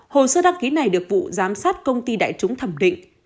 hồ sơ đăng ký này được vụ giám sát công ty đại chúng thẩm định